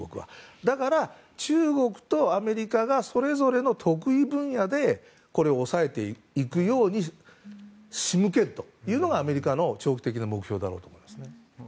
だから、中国とアメリカがそれぞれの得意分野でこれを抑えていくように仕向けるというのがアメリカの長期的な目標だと思いますね。